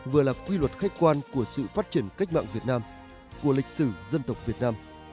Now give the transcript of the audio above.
vừa là quy luật khách quan của sự phát triển cách mạng việt nam của lịch sử dân tộc việt nam